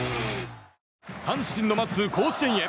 阪神の待つ甲子園へ。